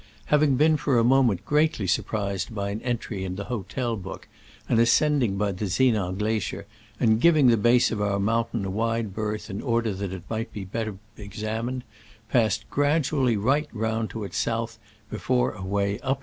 having been for a moment greatly sur prised by an entry in the hotel book,* and ascending by the Zinal glacier, and giving the base of our mountain a wide berth in order that it might the bet ter be examined, passed gradually right round to its south before a way up it was seen.